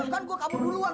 kan gue kamu duluan